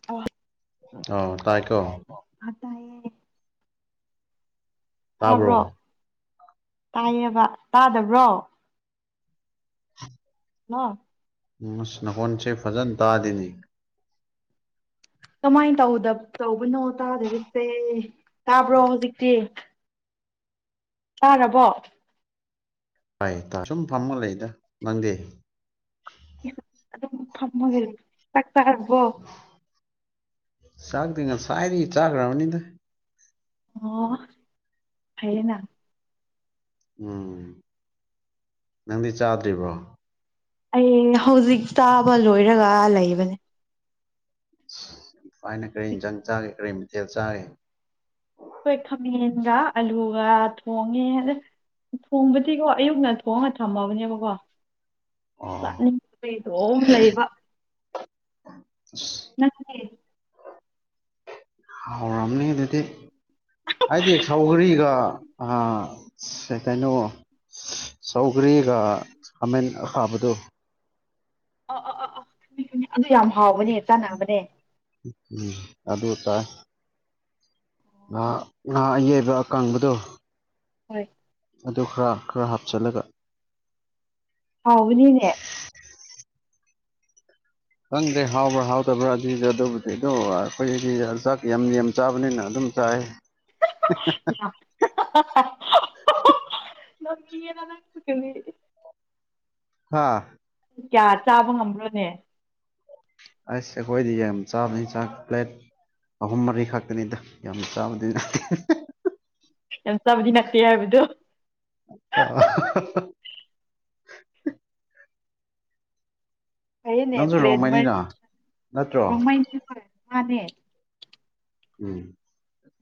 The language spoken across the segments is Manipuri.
[unintelligible] ꯑꯣ ꯇꯥꯏꯀꯣ ꯑꯥ ꯇꯥꯢꯌꯦ ꯇꯥꯕ꯭ꯔꯣ ꯇꯥꯏꯌꯦꯕ ꯇꯥꯗꯕ꯭ꯔꯣ ꯍꯜꯂꯣ ꯃꯨꯁ ꯅꯈꯣꯟꯁꯦ ꯐꯖꯅ ꯇꯥꯗꯦꯅꯦ ꯀꯃꯥꯏ ꯇꯧꯗ ꯇꯧꯕꯅꯣ ꯇꯥꯗꯕꯁꯦ ꯇꯥꯕ꯭ꯔꯣ ꯍꯧꯖꯤꯛꯇꯤ ꯇꯥꯔꯕꯣ ꯇꯢꯌꯦ ꯇꯥ ꯁꯨꯝ ꯐꯝꯃ ꯂꯩꯗ ꯅꯪꯗꯤ ꯑꯗꯨꯝ ꯆꯥꯛ ꯆꯥꯔꯕꯣ ꯆꯥꯥꯛꯗꯤ ꯉꯁꯥꯢꯗꯒꯤ ꯆꯥꯒ꯭ꯔꯕꯅꯤꯗ ꯑꯣ ꯐꯩꯌꯦꯅ ꯎꯝ ꯅꯪꯗꯤ ꯆꯥꯗ꯭ꯔꯤꯕ꯭ꯔꯣ ꯑꯩ ꯍꯧꯖꯤꯛ ꯆꯥꯕ ꯂꯣꯏꯔꯒ ꯂꯩꯕꯅꯦ ꯐꯥꯢꯅ ꯀꯔꯤ ꯍꯤꯟꯖꯥꯡ ꯆꯥꯒꯦ ꯀꯔꯤ ꯃꯊꯦꯜ ꯆꯥꯒꯦ ꯈꯣꯏ ꯈꯥꯃꯦꯟꯒ ꯑꯂꯨꯒ ꯊꯣꯡꯉꯦꯗ ꯊꯣꯡꯕꯗꯤꯀꯣ ꯑꯌꯨꯛꯅ ꯊꯣꯡꯉꯒ ꯊꯝꯃꯕꯅꯦꯕꯀꯣ ꯑꯣ ꯆꯥꯅꯤꯡꯗꯕꯒꯤ ꯑꯗꯣꯝ ꯂꯩꯕ ꯑꯁ ꯅꯪꯗꯤ ꯍꯥꯎꯔꯝꯅꯤ ꯑꯗꯨꯗꯤ ꯍꯑꯩꯗꯤ ꯁꯧꯒꯔꯤꯒ ꯑꯥ ꯀꯩꯅꯣ ꯆꯧꯒ꯭ꯔꯤꯒ ꯈꯥꯃꯦꯟ ꯑꯈꯥꯕꯗꯣ ꯑ ꯑ ꯑ ꯑꯗꯨ ꯌꯥꯝ ꯍꯥꯎꯕꯅꯦ ꯆꯥꯟꯅꯕꯅꯦ ꯎꯝ ꯑꯗꯨ ꯇꯥꯏ ꯉꯥ ꯉꯥ ꯑꯌꯥꯢꯕ ꯑꯀꯪꯕꯗꯣ ꯍꯣꯏ ꯑꯗꯨ ꯈꯔ ꯈꯔ ꯍꯥꯞꯆꯜꯂꯒ ꯍꯥꯎꯕꯅꯤꯅꯦ ꯈꯪꯗ꯭ꯔꯦ ꯍꯥꯎꯕ꯭ꯔꯥ ꯍꯥꯎꯇꯕ꯭ꯔꯥꯗꯤ ꯑꯗꯨꯕꯨꯗꯤ ꯑꯗꯨ ꯑꯩꯈꯣꯏꯗꯗꯤ ꯆꯥꯛ ꯌꯥꯝ ꯌꯥꯝ ꯆꯥꯕꯅꯤꯅ ꯑꯗꯨꯝ ꯆꯥꯢꯌꯦ ꯅꯣꯛꯅꯤꯡꯉꯦꯗ ꯅꯪꯁꯨ [unintelligible] ꯍꯥꯥ ꯀꯌꯥ ꯆꯥꯕ ꯉꯝꯕ꯭ꯔꯣꯅꯦ ꯑꯁ ꯑꯈꯣꯏꯗꯤ ꯌꯥꯝ ꯆꯥꯕꯅ ꯆꯥꯛ ꯄ꯭ꯂꯦꯠ ꯑꯍꯨꯝ ꯃꯔꯤ ꯈꯥꯛꯇꯅꯤꯗ ꯌꯥꯝ ꯆꯥꯕꯗꯤ ꯅꯠꯇꯦ ꯌꯥꯝ ꯆꯥꯕꯗꯤ ꯅꯠꯇꯦ ꯍꯥꯏꯕꯗꯨ [unintelligible] ꯐꯩꯌꯦꯅꯦ ꯅꯪꯁꯨ ꯄ꯭ꯂꯦꯠ ꯃꯔꯤ ꯔꯣꯡꯃꯩꯅꯤꯅ ꯅꯠꯇ꯭ꯔꯣ [unintelligible] ꯎꯝ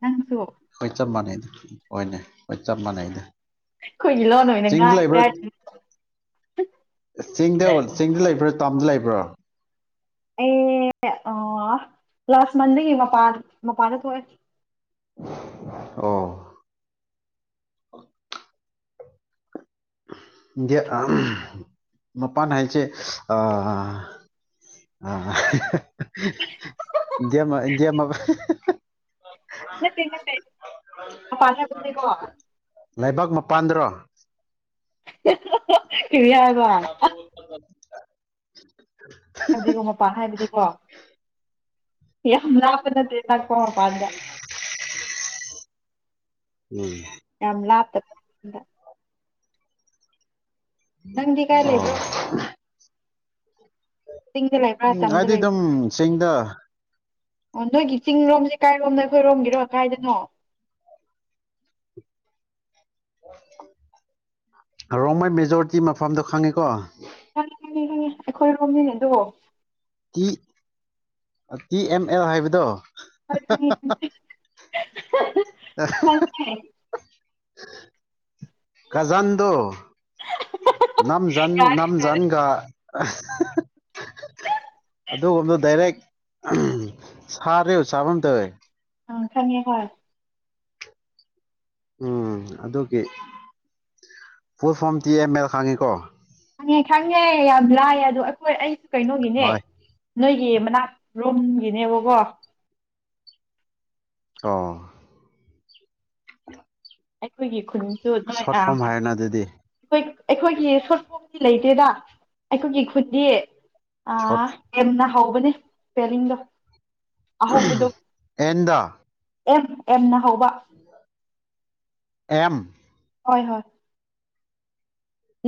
ꯅꯪꯁꯨ ꯍꯣꯏ ꯆꯞ ꯃꯥꯟꯅꯩꯗ ꯍꯣꯏꯅꯦ ꯍꯣꯏ ꯆꯞ ꯃꯥꯟꯅꯩꯗ ꯑꯩꯈꯣꯏꯒꯤ ꯂꯣꯟ ꯑꯣꯏꯅ ꯆꯤꯡꯗ ꯉꯥꯡꯕ ꯂꯩꯕ꯭ꯔꯥ ꯍꯥꯏꯔꯗꯤ ꯆꯤꯡꯗ ꯆꯤꯡꯗ ꯂꯩꯕ꯭ꯔꯣ ꯇꯥꯝꯗ ꯂꯩꯕ꯭ꯔꯣ ꯑꯦ ꯂꯥꯁ ꯃꯟꯗꯒꯤ ꯃꯄꯥꯥꯟ ꯃꯄꯥꯟꯗ ꯊꯣꯛꯑꯦ ꯑꯣ ꯗꯤ ꯃꯄꯥꯟ ꯍꯥꯏꯁꯦ ꯑꯥ ꯃ ꯃ [inaudible] ꯅ ꯊꯦꯡꯅ ꯇ [inaudible] ꯂꯩꯕꯥꯛ ꯃꯄꯥꯟꯗ꯭ꯔꯣ ꯀꯔꯤ ꯍꯥꯢꯕ ꯎ [inaudible] ꯍꯥꯏꯕꯗꯤ ꯃꯄꯥꯟ ꯍꯥꯏꯕꯗꯤꯀꯣ ꯌꯥꯝ ꯂꯥꯞꯄ ꯅꯠꯇꯦ ꯂꯥꯛꯄ ꯃꯄꯥꯟꯗ ꯎꯝ [inaudible] ꯌꯥꯝ ꯂꯥꯞꯇꯦ ꯅꯪꯗꯤ ꯀꯥꯏ ꯑꯣ ꯂꯩꯕ꯭ꯔꯣ ꯆꯤꯡꯗ ꯂꯩꯕ꯭ꯔꯥ ꯎꯝ ꯇꯝꯗ ꯑꯩꯗꯤ ꯑꯗꯨꯝ ꯂꯩꯕ꯭ꯔꯥ ꯆꯤꯡꯗ ꯑꯣ ꯅꯣꯏꯒꯤ ꯆꯤꯡꯔꯣꯝꯁꯦ ꯀꯥꯏꯔꯣꯝꯅꯣ ꯑꯩꯈꯣꯏꯔꯣꯝꯒꯤꯔꯣ ꯀꯥꯏꯗꯅꯣ ꯔꯣꯡꯃꯩ ꯃꯦꯖꯣꯔꯤꯇꯤ ꯃꯐꯝꯗꯣ ꯈꯪꯉꯤꯀꯣ ꯑꯩꯈꯣꯏ ꯔꯣꯝꯒꯤꯅꯦ ꯑꯗꯨ ꯇꯤ ꯇꯤ ꯑꯦꯝ ꯑꯦꯜ ꯍꯥꯏꯕꯗꯣ ꯈꯪꯉꯦ ꯑ [inaudible] ꯈꯪꯉꯦ ꯖꯟꯗꯨꯣ ꯅꯝꯖꯟ ꯌꯥꯔꯦ ꯌꯥꯔꯦ ꯅꯝꯖꯟꯒ [inaudible] ꯑꯗꯨꯒꯕꯗ ꯗꯥꯏꯔꯦꯛ ꯁꯥꯔꯦ ꯆꯥꯐꯝ ꯇꯧꯋꯦ ꯈꯪꯌꯦ ꯍꯣꯢ ꯎꯝ ꯑꯗꯨꯒꯤ ꯐꯨꯠ ꯐꯣꯝ ꯇꯤ ꯑꯦꯝꯃꯦꯜ ꯈꯥꯡꯉꯤꯀꯣ ꯈꯪꯉꯦ ꯈꯪꯉꯦ ꯌꯥꯝ ꯂꯥꯏ ꯑꯗꯣ ꯑꯩꯈꯣꯏ ꯑꯩꯁꯨ ꯀꯩꯅꯣꯒꯤꯅꯦ ꯍꯣꯏ ꯅꯣꯏꯒꯤ ꯃꯅꯥꯛꯔꯣꯝꯒꯤꯅꯦꯕꯀꯣ ꯑꯣ ꯑꯩꯈꯣꯏꯒꯤ ꯈꯨꯟꯁꯨ ꯑꯗꯨꯥꯏ ꯁꯣꯔꯠ ꯑ ꯐꯣꯝ ꯍꯥꯏꯔꯦꯅ ꯑꯗꯨꯗꯤ ꯑꯩꯈꯣꯏꯒꯤ ꯁꯣꯔꯠꯐꯣꯝꯗꯤ ꯂꯩꯇꯦꯗ ꯑꯩꯈꯣꯏꯒꯤ ꯈꯨꯟꯗꯤ ꯑ ꯁꯣꯔꯠ ꯌꯥꯝꯅ ꯍꯧꯕꯅꯦ ꯄꯄꯦꯂꯤꯡꯗꯣ ꯑꯍꯧꯕꯗꯣ ꯑꯦꯟꯗ ꯑꯦꯝ ꯑꯦꯝꯅ ꯍꯧꯕ ꯑꯦꯝ ꯍꯣꯏ ꯍꯣꯏ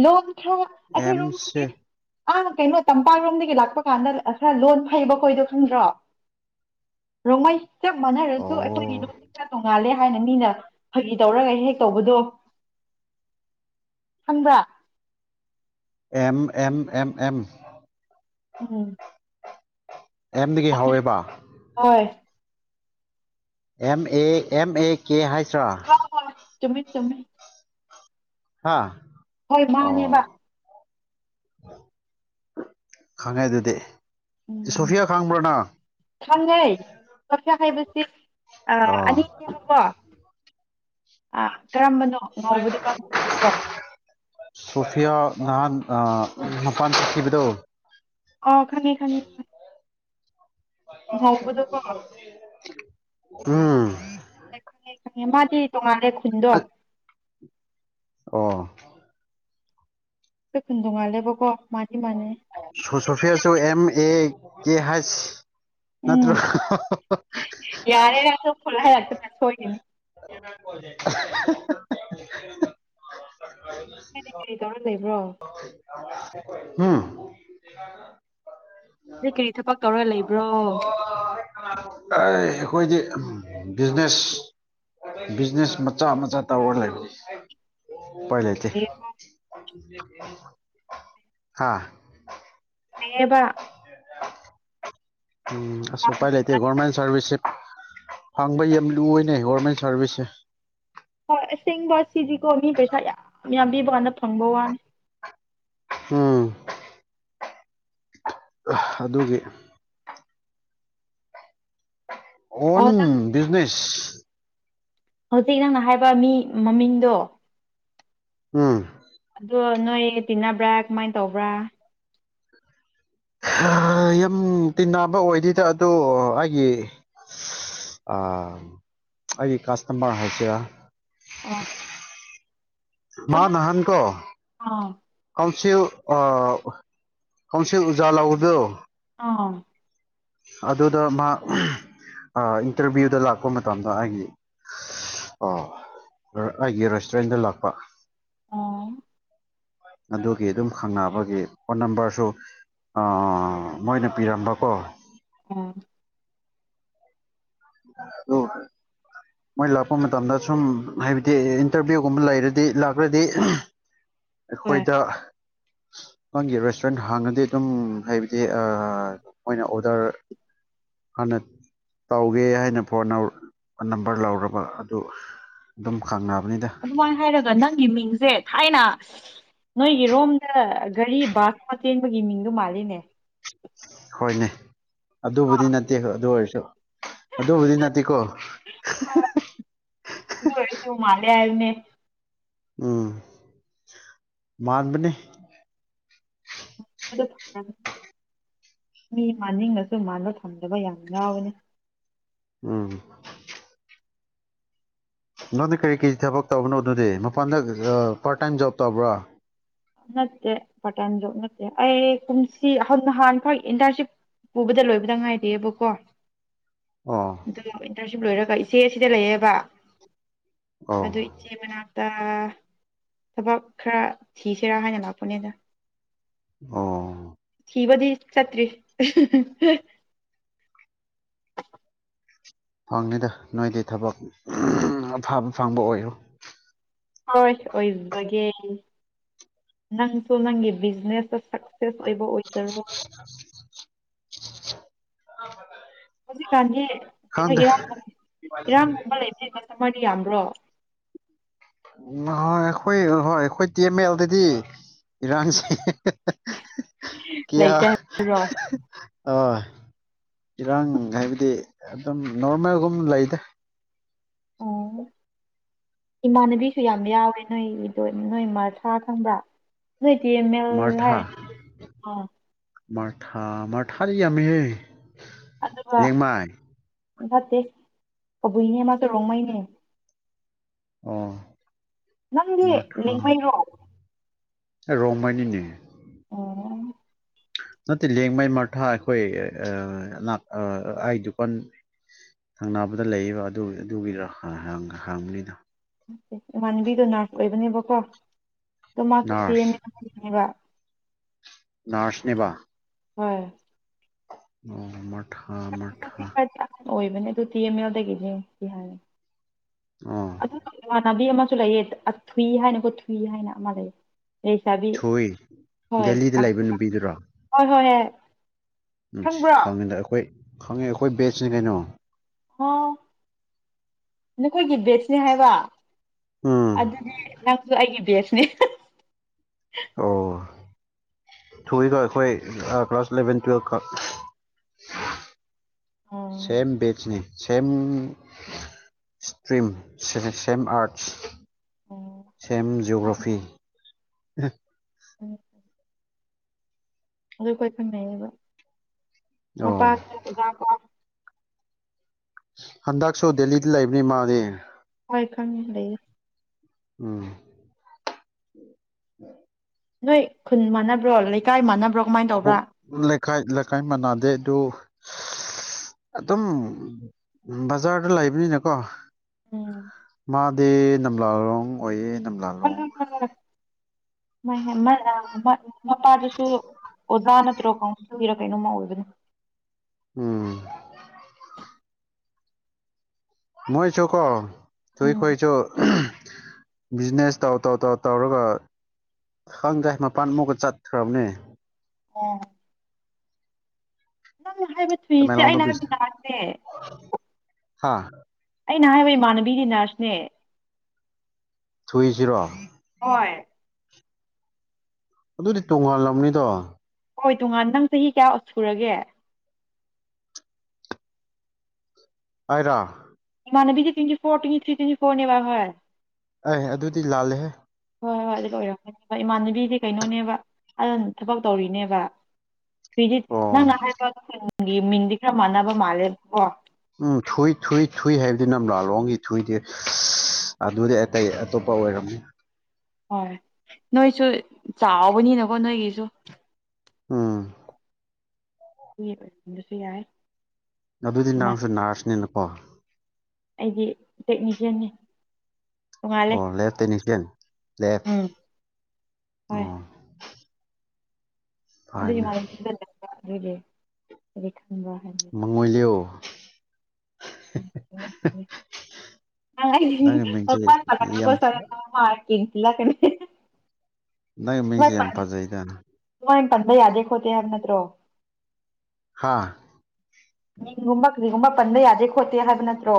ꯂꯣꯟ ꯊ꯭ꯔꯣ ꯑꯩꯈꯣꯏ ꯔꯣꯝꯒꯤ ꯑꯦꯝꯁꯦ [inaudible] ꯑꯅ ꯀꯩꯅꯣ ꯇꯝꯄꯥꯛꯔꯣꯝꯗꯒꯤ ꯂꯥꯛꯄ ꯀꯥꯟꯗ ꯈꯔ ꯂꯣꯟ ꯐꯩꯕ ꯈꯣꯏꯗꯣ ꯈꯪꯗ꯭ꯔꯣ ꯔꯣꯡꯃꯩ ꯆꯞ ꯃꯥꯟꯅꯔꯁꯨ ꯑꯣ ꯑꯩꯈꯣꯏꯝꯒꯤ ꯂꯣꯟꯁꯦ ꯀꯌꯥ ꯇꯣꯡꯉꯥꯜꯂꯦ ꯍꯥꯏꯅ ꯃꯤꯅ ꯐꯥꯒꯤ ꯇꯧꯔꯒ ꯍꯦꯛ ꯇꯧꯕꯗꯣ ꯈꯪꯕ꯭ꯔꯥ ꯑꯦꯝ ꯑꯦꯝ ꯑꯦꯝ ꯑꯦꯝ ꯎꯝ ꯑꯦꯝꯗꯒꯤ ꯍꯧꯎꯋꯦꯕ ꯍꯣꯏ ꯑꯦꯝ ꯑꯦ ꯑꯦꯝ ꯑꯦ ꯀꯦ ꯍꯩꯁ ꯔꫭ ꯆꯨꯝꯃꯦ ꯆꯨꯝꯃꯦ ꯍꯥꯥ ꯍꯣꯏ ꯃꯥꯅꯦꯕ ꯈꯥꯡꯉꯦ ꯑꯗꯨꯗꯤ ꯁꯣꯐꯤꯌꯥ ꯈꯥꯡꯕ꯭ꯔꯥꯅ ꯈꯪꯉꯩ ꯀ ꯍꯥꯏꯕꯁꯤ ꯑꯅꯤ ꯑꯣ ꯑ ꯀꯔꯝꯕꯅꯣ ꯍ ꯉꯧꯕꯗꯨꯔꯣ ꯍꯧꯕꯗꯨꯔꯣ [inaudible] ꯁꯣꯐꯤꯌꯥ ꯅꯍꯥꯟ ꯃꯄꯥꯟ ꯆꯠꯈꯤꯕꯗꯣ ꯑꯣ ꯈꯅꯤ ꯈꯅꯤ ꯎꯝ ꯍ ꯈꯪꯉꯦ ꯈꯪꯉꯦ ꯃꯥꯗꯤ ꯇꯣꯡꯉꯥꯜꯂꯦ ꯈꯨꯟꯗꯣ ꯑꯣ ꯑꯩꯈꫭꯏ ꯈꯨꯟ ꯗꯣꯡꯉꯥꯜꯂꯦꯕꯀꯣ ꯁꯐꯌꯥꯁꯨ ꯑꯦꯝ ꯑꯦ ꯀꯦ ꯍꯥꯏꯁ ꯅꯠꯇ꯭ꯔꯣ ꯌꯥꯔꯦꯔ ꯑꯗꯨ ꯐꯣꯂ ꯍꯥꯏꯔꯛꯇꯅ ꯁꯣꯏꯈꯤꯅꯤ [inaudible] ꯀꯔꯤ ꯀꯔꯤ ꯇꯧꯔꯒ ꯂꯩꯕ꯭ꯔꯣ ꯎꯝ ꯗꯒ ꯑꯩ ꯀꯔꯤ ꯊꯕꯛ ꯇꯧꯔ ꯂꯩꯕ꯭ꯔꯣ ꯑꯩ ꯑꯩꯈꯣꯏꯗꯤ ꯕꯤꯖꯤꯅꯦꯁ ꯕꯤꯖꯤꯅꯦꯁ ꯃꯖꯥ ꯃꯖꯥ ꯇ ꯑꯣꯔ ꯂꯩ ꯄꯥꯏꯂꯗꯤ [inaudible] [inaudible] ꯍꯥꯥ ꯑꯦꯕ [inaudible] ꯎꯝ ꯑꯩꯁꯨ ꯌꯥꯝ ꯎꯄꯥꯏ ꯂꯩꯇꯦ ꯒꯣꯔꯃꯦꯟ ꯁꯥꯔꯚꯤꯁꯁꯦ ꯐꯪꯕꯩ ꯌꯥꯝ ꯂꯨꯏꯅꯦ ꯒꯣꯔꯃꯦꯟ ꯁꯥꯔꯚꯤꯁꯁꯦ ꯍꯣꯏ ꯑꯁꯦꯡꯕ ꯁꯤꯁꯤꯀꯣ ꯃꯤ ꯄꯩꯁꯥ ꯌꯥꯝ ꯌꯥꯝꯕꯤꯕ ꯀꯥꯟꯗ ꯐꯪꯕ ꯋꯥꯅꯤ ꯎꯝ ꯑꯗꯨꯒꯤ ꯑꯣꯟ ꯑꯣ ꯅꯪ ꯕꯤꯖꯤꯅꯦꯁ ꯍꯧꯖꯤꯛ ꯅꯪꯅ ꯍꯥꯏꯕ ꯃꯤ ꯃꯃꯤꯡꯗꯣ ꯎꯝ ꯑꯗꯣ ꯅꯣꯏ ꯇꯤꯟꯅꯕ꯭ꯔꯥ ꯀꯃꯥꯏꯅ ꯇꯧꯕ꯭ꯔꯥ ꯌꯥꯝ ꯇꯤꯟꯅꯕ ꯑꯣꯏꯗꯗ ꯑꯗ ꯑꯩꯒꯤ ꯑ ꯑꯩꯒꯤ ꯀꯥꯁꯇꯃꯔ ꯍꯥꯏꯁꯤꯔꯥ ꯑꯥ ꯃꯥ ꯅꯍꯥꯟ ꯀꯣ ꯑꯥ ꯀꯥꯎꯁꯤ ꯀꯝꯁꯤ ꯎꯖꯥ ꯂꯥꯎꯕꯗꯣ ꯑꯥ ꯑꯗꯨꯗ ꯃꯥ ꯏꯟꯇꯔꯚꯤꯌꯨꯗ ꯂꯥꯛꯄ ꯃꯇꯝꯗ ꯑꯩꯒꯤ ꯑꯣ ꯑꯩꯒꯤ ꯔꯦꯁꯇꯨꯔꯦꯟꯗ ꯂꯥꯛꯄ ꯑ ꯑꯗꯨꯒꯤ ꯑꯗꯨꯝ ꯈꯪꯅꯕꯒꯤ ꯐꯣꯟ ꯅꯝꯕꯔꯁꯨ ꯃꯣꯏꯅ ꯄꯤꯔꯝꯕꯀꯣ ꯎꯝ ꯍ ꯍ ꯃꯣꯏ ꯂꯥꯛꯄ ꯃꯇꯝꯗ ꯁꯨꯝ ꯍꯥꯏꯕꯗꯤ ꯏꯟꯇꯔꯚꯤꯌꯨꯒꯨꯝꯕ ꯂꯩꯔꯗꯤ ꯂꯥꯛꯈ꯭ꯔꯗꯤ ꯍꯣꯏ ꯑꯩꯈꯣꯏꯗ ꯅꯪꯒꯤ ꯔꯦꯁꯇꯨꯔꯦꯟ ꯍꯥꯡꯉꯗꯤ ꯑꯗꯨꯝ ꯍꯥꯏꯕꯗꯤ ꯃꯣꯏꯅ ꯑꯣꯗꯔ ꯍꯅ ꯇꯧꯦ ꯍꯥꯏꯅ ꯐꯣꯟ ꯅꯝꯕꯔ ꯂꯧꯔꯕ ꯑꯗꯨ ꯑꯗꯨꯝ ꯈꯪꯅꯕꯅꯤꯗ ꯑꯗꯨꯃꯥꯏꯅ ꯍꯥꯏꯔꯒ ꯅꯪꯒꯤ ꯃꯤꯡꯁꯦ ꯊꯥꯏꯅ ꯅꯣꯏꯒꯤꯔꯣꯝꯗ ꯒꯥꯔꯤ ꯕꯥꯁꯀꯣꯇꯦꯟꯕꯒꯤ ꯃꯤꯡꯗꯣ ꯃꯥꯜꯂꯤꯅꯦ ꯍꯣꯏꯅꯦ ꯀꯣ ꯑꯗꯨꯕꯨꯗꯤ ꯅꯠꯇꯦ ꯑꯗꯨ ꯑꯣꯏꯔꯁꯨ ꯑꯗꯨꯕꯨꯗꯤ ꯅꯠꯇꯦꯀꯣ ꯎꯨ ꯃꯥꯂꯦ ꯍꯥꯏꯅꯦ ꯎꯝ ꯃꯥꯕꯅꯦ ꯑꯗꯨ ꯃꯤ ꯃꯅꯤꯡꯅꯁꯨ ꯃꯥꯟꯕ ꯐꯝꯗꯕ ꯌꯥꯝ ꯌꯥꯎꯋꯦꯅꯤ ꯎꯝ ꯅꯪꯅ ꯀꯔꯤ ꯀꯔꯤ ꯊꯕꯛ ꯇꯧꯕꯅꯣ ꯑꯗꯨꯗꯤ ꯃꯄꯥꯟꯗ ꯄꯥꯔꯠ ꯇꯥꯏꯝ ꯖꯣꯕ ꯇꯧꯕ꯭ꯔꯥ ꯅꯠꯇꯦ ꯄꯇꯥꯟꯗ ꯅꯠꯇꯦ ꯑꯩ ꯀꯨꯝꯁꯤꯍ ꯅꯍꯥꯟ ꯐꯥꯎ ꯏꯟꯇꯔꯟꯁꯤꯞ ꯄꯨꯕꯗ ꯂꯣꯏꯕꯗ ꯉꯥꯏꯔꯤꯕꯀꯣ ꯑꯣ ꯑꯣ ꯏꯟꯇꯔꯟꯁꯤꯞ ꯂꯣꯏꯔꯒ ꯏꯆꯦ ꯑꯁꯤꯗ ꯂꯩꯌꯦꯕ ꯑꯣ ꯑꯗꯨ ꯏꯆꯦ ꯃꯅꯥꯛꯇ ꯊꯕꯛ ꯈꯔ ꯊꯤꯁꯤꯔꯥ ꯍꯥꯏꯅ ꯂꯥꯛꯄꯅꯦꯗ ꯑꯣ ꯊꯤꯕꯗꯤ ꯆꯠꯇ꯭ꯔꯤ ꯐꯪꯅꯤꯗ ꯅꯣꯏꯗꯤ ꯊꯕꯛ ꯑꯐꯕ ꯐꯪꯕ ꯑꯣꯏꯔꯣ ꯄ ꯑꯣꯏꯁ ꯒꯦ ꯅꯪꯁꯨ ꯅꯪꯒꯤ ꯕꯤꯖꯤꯅꯦꯁꯇ ꯁꯛꯁꯦꯁ ꯑꯣꯏꯕ ꯑꯣꯏꯖꯔꯣ ꯍꯧꯖꯤꯛꯀꯥꯟꯗꯤ ꯀꯩꯅꯣ ꯈꯪꯗꯦ ꯏꯔꯥꯡꯒ ꯏꯔꯥꯡꯒꯨꯝꯕ ꯂꯩꯇꯦ ꯀꯁꯇꯃꯔꯗꯤ ꯌꯥꯝꯕ꯭ꯔꯣ ꯎ ꯍꯣꯏ ꯑꯩꯈꯣꯏ ꯍꯣꯏ ꯑꯩꯈꯣꯏ ꯇꯤ ꯑꯦꯝ ꯑꯦꯜꯗꯗꯤ ꯏꯔꯟꯁ [inaudible] ꯀꯤꯌꯥ ꯂꯩꯇꯦ ꯍꯥꯏꯕ꯭ꯔꯣ ꯑ ꯏꯔꯥꯡ ꯍꯥꯏꯕꯗꯤ ꯑꯗꯨꯝ ꯅꯣꯔꯃꯦꯜꯒꯨꯝ ꯂꯩꯗ ꯑ ꯑꯣ [inaudible] ꯏꯃꯥꯟꯅꯕꯤꯁꯨ ꯌꯥꯝ ꯌꯥꯎꯋꯦ ꯅꯣꯏꯗ ꯅꯣꯏ ꯃꯔꯁꯥ ꯈꯪꯕ꯭ꯔꯥ ꯁꯇ ꯃ ꯍꯥꯏ ꯑ [inaudible] ꯃꯊꯥ ꯃ ꯊꯥꯔꯤꯌꯥꯃꯤꯃꯦ ꯑꯗꯨꯒ ꯏꯝ ꯐꯥꯠꯇꯦ ꯀꯕꯨꯏꯅꯦ ꯃꯥ ꯆꯣꯔꯣꯡꯉꯩꯅꯦ ꯑꯣ ꯅꯪꯗꯤ ꯂꯦꯡꯉꯣꯏꯔ꯭ꯔꯣ ꯔꯣꯃꯥꯏꯅꯤꯅꯦ ꯑꯣ ꯅꯠꯇꯦ ꯂꯦꯡꯃꯩ ꯃꯔꯊꯥ ꯑꯩꯈꯣꯏ ꯑꯩ ꯗꯨꯀꯥꯟ ꯁꯪꯅꯥꯅꯕꯗ ꯂꯩꯌꯦꯕ ꯑꯗꯨ ꯑꯗꯨꯒꯤꯗꯣ ꯍꯥꯡꯕꯅꯤꯗꯣ ꯏꯃꯥꯟꯅꯕꯤꯗꯣ ꯅꯔꯁ ꯑꯣꯏꯕꯅꯦꯕꯀꯣ ꯑꯗꯣ ꯃꯥꯁꯨ ꯇꯤ ꯅꯔꯁ ꯑꯦꯝꯅꯦꯕ ꯅꯔꯁꯅꯦꯕ ꯍꯣꯏ ꯑꯣ ꯃꯔꯊꯥ ꯃꯔꯊꯥ ꯑꯣꯏꯕꯅꯦ ꯑꯗꯨ ꯇꯤ ꯑꯦꯝ ꯑꯦꯜꯗꯒꯤꯅꯦ ꯀ ꯍꯥꯏꯅꯤ ꯑꯣ ꯏꯃꯥꯟꯅꯕꯤ ꯑꯃꯁꯨ ꯂꯩꯑ ꯊꯨꯏ ꯍꯥꯏꯅꯀꯣ ꯊꯨꯏ ꯍꯥꯏꯅ ꯑꯃ ꯂꯩꯌꯦ ꯑꯩ ꯆꯥꯕꯤ ꯊꯨꯏ ꯍꯣꯏ ꯗꯦꯜꯂꯤꯗ ꯂꯩꯕ ꯅꯨꯄꯤꯗꯨꯔꯣ ꯍꯣꯏ ꯍꯣꯏ ꯌꯥ ꯎꯝ ꯁꯤ ꯈꯪꯉꯤꯗ ꯑꯩꯈꯣꯏ ꯈꯪꯉꯤ ꯑꯩꯈꯣꯏ ꯕꯦꯁꯅꯦ ꯀꯩꯅꯣ ꯍ ꯅꯈꯣꯏꯒꯤ ꯕꯦꯠꯁꯅꯦ ꯍꯥꯏꯕ ꯎꯝ ꯑꯗꯨꯗꯤ ꯅꯪꯁꯨ ꯑꯩꯒꯤ ꯕꯦꯁꯅꯤ ꯑꯣ ꯊꯣꯛꯀꯣ ꯑꯩꯈꯣꯏ ꯀ꯭ꯂꯥꯁ ꯏꯂꯚꯦꯟ ꯇꯨꯌꯦꯜꯕ ꯈꯛ ꯑꯣ ꯁꯦꯝ ꯕꯤꯆꯅꯤ ꯁꯦꯝꯝ ꯏꯁꯇ꯭ꯔꯤꯝ ꯁꯦꯝꯃ ꯑꯔꯠꯁ ꯑꯗꯨ ꯁꯦꯝꯝ ꯌꯑꯣꯒ꯭ꯔꯥꯐꯤ ꯎꯝ [inaudible] ꯑꯗꯨ ꯑꯩꯣꯏ ꯈꯪꯅꯩꯌꯦꯕ ꯑꯣ ꯃꯄꯥ ꯑꯣꯖꯥ ꯀꯣ [inaudible] ꯍꯟꯗꯛꯁꯨ ꯗꯦꯜꯂꯤꯗ ꯂꯩꯕꯅꯤ ꯃꯥꯗꯤ ꯍꯣꯏ ꯈꯪꯉꯦ ꯂꯩꯌꯦ ꯎꯝ ꯅꯣꯏ ꯈꯨꯟ ꯃꯥꯟꯅꯕ꯭ꯔꯣ ꯂꯩꯀꯥꯏ ꯃꯥꯟꯅꯕ꯭ꯔꯣ ꯀꯃꯥꯏꯅ ꯑꯍꯨꯝ ꯇꯧꯕ꯭ꯔꯥ ꯂꯩꯀꯥꯏ ꯂꯩꯀꯥꯏ ꯃꯟꯅꯥꯗꯦ ꯑꯗꯨ [unintelligible] ꯑꯗꯨꯝ ꯕꯖꯥꯔꯗ ꯂꯩꯕꯅꯤꯅꯀꯣ ꯎꯝ ꯃꯥꯗꯤ ꯅꯝꯂꯥꯂꯣꯡ ꯑꯣꯏꯌꯦ ꯅꯝꯂꯥ ꯃꯄꯥꯗꯨꯁꯨ ꯑꯣꯖꯥ ꯅꯠꯇ꯭ꯔꯣ ꯀꯥꯎꯟꯔ ꯀꯩꯅꯣꯃ ꯑꯣꯏꯕꯅꯣ ꯎꯝ ꯃꯣꯏꯁꯨ ꯀꯣ ꯇꯨꯏ ꯎꯝ ꯈꯣꯏꯁꯨ ꯕꯤꯖꯤꯅꯦꯁ ꯇꯥꯎ ꯇꯥꯎ ꯇꯥꯎ ꯇꯧꯔꯒ ꯈꯪꯈꯥꯏ ꯃꯄꯥꯟꯃꯨꯛꯀ ꯆꯠꯈ꯭ꯔꯕꯅꯦ ꯑꯣ ꯅꯪꯅ ꯍꯥꯏꯕ ꯊꯨꯏꯁꯦ ꯇꯃꯦꯡꯂꯣꯡꯗ ꯑꯩꯅ ꯕꯤꯖꯤꯅꯦꯁ ꯍꯥꯏꯕꯤꯗꯥꯥꯛꯁꯦ ꯍꯥ ꯑꯩꯅ ꯍꯥꯏꯕ ꯏꯃꯥꯟꯅꯕꯤꯗꯤ ꯅꯔꯁꯅꯦ ꯊꯨꯣꯏꯏꯁꯤꯔꯣ ꯍꯣꯏ ꯑꯗꯨꯗꯤ ꯇꯣꯉꯥꯜꯂꯝꯅꯤꯗꯣ ꯍꯣꯏ ꯇꯣꯉꯥꯟ ꯅꯪ ꯆꯍꯤ ꯀꯌꯥ ꯁꯨꯔꯒꯦ ꯑꯥꯏꯔ ꯃꯅꯕꯤ ꯇ ꯐꯣꯔ ꯇ꯭ꯋꯤ ꯊ꯭ ꯇ꯭ꯋ ꯐꯣꯔꯅꯦꯕ ꯍꯥꯏ ꯑꯩ ꯑꯗꯨꯗꯤ ꯂꯥꯜꯂꯦꯍꯦ ꯍꯣꯏ ꯍꯣꯏ ꯑꯗꯨ ꯂꯣꯏꯔꯝꯀꯅꯦꯕ ꯏꯃꯥꯟꯅꯕꯤꯗꯤ ꯀꯩꯅꯣꯅꯦꯕ ꯑꯗꯨ ꯊꯕꯛ ꯇꯧꯔꯤꯅꯦꯕ ꯐ꯭ꯗꯤ ꯑꯣ ꯅꯪꯅ ꯍꯥꯏꯕ ꯈꯒꯤ ꯃꯤꯟꯗꯤ ꯈꯔ ꯃꯥꯟꯅꯕ ꯃꯥꯜꯂꯦꯕ ꯀꯣ ꯎꯝ ꯊꯨꯏ ꯊꯨꯏ ꯊꯨꯏ ꯍꯥꯏꯕꯗꯤ ꯅꯝ ꯂꯥꯂꯣꯡꯒꯤ ꯊꯨꯏꯗꯦ ꯑꯗꯨꯗꯤ ꯑꯇꯩ ꯑꯇꯣꯞꯄ ꯑꯣꯏꯔꯝꯅꯤ ꯍꯣꯏ ꯅꯣꯏꯁꯨ ꯆꯥꯎꯥꯛꯕꯅꯤꯅꯀꯣ ꯅꯣꯏꯒꯤꯁꯨ ꯎꯝ ꯑꯗꯨꯁꯨ ꯌꯥꯏ ꯑꯗꯨꯗꯤ ꯏꯃꯥ ꯅꯪꯁꯨ ꯅꯅꯥꯔꯁꯅꯦꯅꯀꯣ ꯑꯩꯗꯤ ꯇꯦꯛꯅꯤꯁꯤꯌꯥꯟꯅꯤ ꯇꯣꯡꯉꯥꯜꯂꯦ ꯑꯣ ꯂꯦꯐ ꯇꯦꯛꯅꯤꯁꯤꯌꯥꯟ ꯂꯦꯐ ꯎꯝ ꯍꯣꯏ ꯑꯣ ꯑꯗꯨꯒꯤ ꯐꯥꯏꯅꯦ ꯃꯥꯜꯂ ꯑꯗꯨꯒꯤ ꯍꯥꯏꯗꯤ ꯈꯪꯕ ꯍꯥꯏꯅ ꯃꯣꯏꯂꯤ ꯎꯝ ꯎ ꯅꯪꯒꯤ ꯄ ꯃꯤꯡꯁꯦ ꯃꯂ ꯌꯥꯝ ꯀꯁ ꯃꯥ ꯏꯇ ꯂ ꯀ ꯅꯪ ꯃꯤꯡꯁꯦ ꯌꯥꯝ ꯐꯖꯩꯗꯅ ꯥꯏ ꯄꯟꯗ ꯌꯥꯗꯦ ꯈꯣꯠꯇꯦ ꯍꯥꯏꯕ ꯅꯠꯇ꯭ꯔꯣ ꯍꯥꯥ ꯃꯤꯒꯨꯝꯕ ꯀꯔꯤꯒꯨꯝꯕ ꯄꯟꯕ ꯌꯥꯗꯦ ꯈꯣꯠꯇꯦ ꯍꯥꯏꯕ ꯅꯠꯇ꯭ꯔꯣ